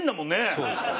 そうですね。